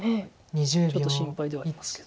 ちょっと心配ではありますけど。